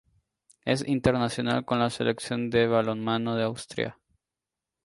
Es internacional con la Selección de balonmano de Austria.